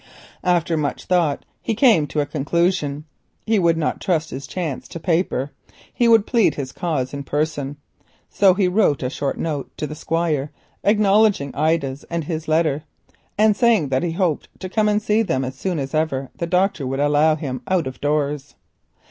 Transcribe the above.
After much thought he came to a conclusion. He would not trust his chance to paper, he would plead his cause in person. So he wrote a short note to the Squire acknowledging Ida's and his letter, and saying that he hoped to come and see them as soon as ever the doctor would allow him out of doors.